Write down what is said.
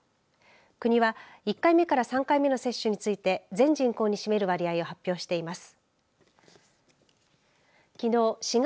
国は１回目から３回目の接種について全人口に占める割合を発表しています。